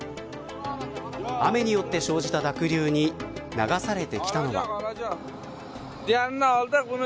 雨によって生じた濁流に流されてきたのは。